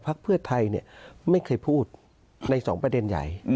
เพื่อไทยไม่เคยพูดในสองประเด็นใหญ่